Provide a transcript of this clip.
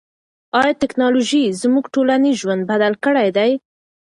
آیا ټیکنالوژي زموږ ټولنیز ژوند بدل کړی دی؟